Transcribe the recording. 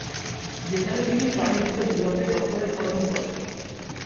যেখানে তিনি প্রাণিবিদ্যা বিভাগে ডক্টরেট অর্জন করেন।